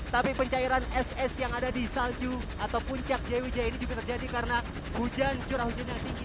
tapi pencairan es es yang ada di salju atau puncak jaya wijaya ini juga terjadi karena hujan curah hujan yang tinggi